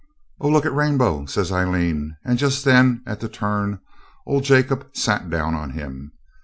'Oh! look at Rainbow!' says Aileen. And just then, at the turn, old Jacob sat down on him.